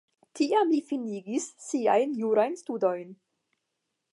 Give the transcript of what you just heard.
Tiam li finigis siajn jurajn studojn.